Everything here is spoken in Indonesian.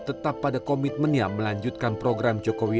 tetap pada komitmennya melanjutkan program jokowi